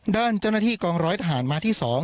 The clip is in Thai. ด้านเจ้าหน้าที่กองร้อยทหารมาที่๒